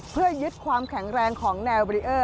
เพื่อยึดความแข็งแรงของแนวบรีเออร์